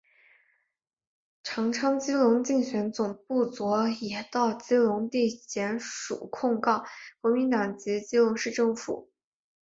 长昌基隆竞选总部昨也到基隆地检署控告国民党及基隆市政府。